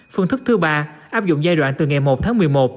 phương thức thứ ba áp dụng giai đoạn từ ngày một tháng một mươi một